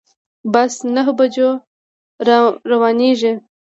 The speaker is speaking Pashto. بس نهه بجو روانیږي